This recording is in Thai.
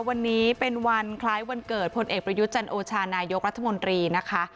วันนี้เป็นวันคล้ายวันเกิดพลเอกประยุทธ์จันโอชานายกรัฐมนตรีนะคะ